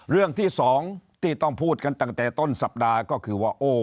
เรื่องที่สองที่ต้องพูดกันตั้งแต่ต้นสัปดาห์ก็คือว่า